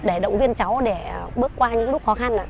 để động viên cháu để bước qua những lúc khó khăn